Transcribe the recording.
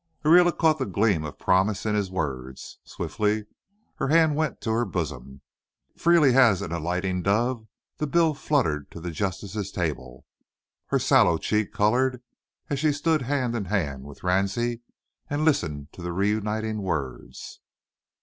Ariela caught the gleam of promise in his words. Swiftly her hand went to her bosom. Freely as an alighting dove the bill fluttered to the Justice's table. Her sallow cheek coloured as she stood hand in hand with Ransie and listened to the reuniting words.